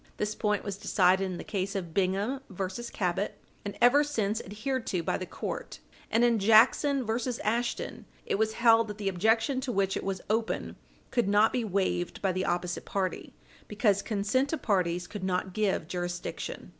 This point was decided in the case of Bingham v. Cabot, in 3 Dall. 382, and ever since adhered to by the court. And in Jackson v. Ashton, 8 Pet. 148, it was held that the objection to which it was open could not be waived by the opposite party, because consent of parties could not give jurisdiction.